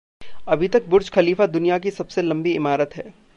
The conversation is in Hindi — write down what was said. अभी तक बुर्ज खलीफा दुनिया की सबसे लम्बी इमारत है।